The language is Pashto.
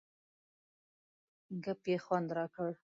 ګپ یې خوند را کړ.